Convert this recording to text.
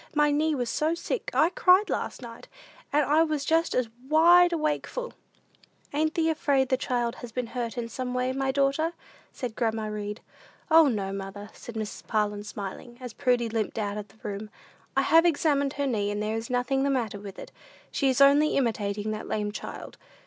My knee was so sick, I cried last night, and I was just as wide awakeful!" "Ain't thee afraid the child has been hurt in some way, my daughter?" said grandma Read. "O, no, mother," said Mrs. Parlin, smiling, as Prudy limped out of the room. "I have examined her knee, and there is nothing the matter with it. She is only imitating that lame child.